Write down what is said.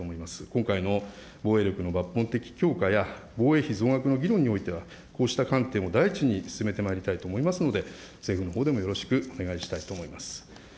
今回の防衛力の抜本的強化や、防衛費増額の議論においては、こうした観点を第一に進めてまいりたいと思いますので、政府のほうでもよろしくお願いしたいと思います。